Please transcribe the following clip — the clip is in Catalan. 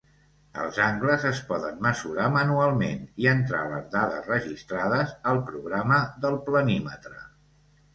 Els angles es poden mesurar manualment i entrar les dades registrades al programa del planímetre.